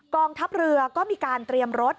กองทัพเรือก็มีการเตรียมรถ